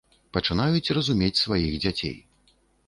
Пачынаюць разумець сваіх дзяцей.